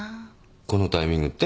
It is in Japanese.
このタイミングって？